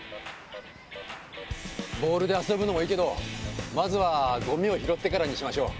ボールで遊ぶのもいいけど、まずはごみを拾ってからにしましょう。